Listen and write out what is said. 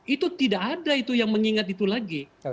itu tidak ada itu yang mengingat itu lagi